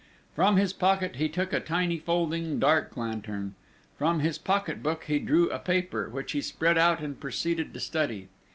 From his pocket he took a tiny, folding dark lantern; from his pocket book he drew a paper, which he spread out and proceeded to study.